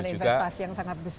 investasi yang sangat besar